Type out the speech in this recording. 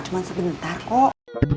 cuma sebentar kok